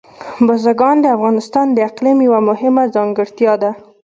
بزګان د افغانستان د اقلیم یوه مهمه ځانګړتیا ده.